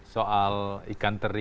soal ikan teri itu ya